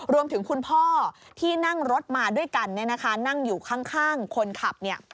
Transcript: คุณพ่อที่นั่งรถมาด้วยกันเนี่ยนะคะนั่งอยู่ข้างคนขับเนี่ย